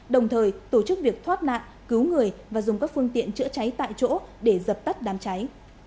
đồng thời tổ chức việc thoát nạn cứu người và dùng các phương tiện chữa cháy tại chỗ để dập tắt đám cháy